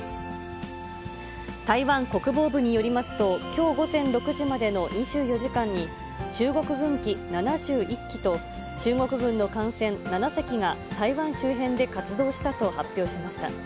台湾国防部によりますと、きょう午前６時までの２４時間に、中国軍機７１機と、中国軍の艦船７隻が台湾周辺で活動したと発表しました。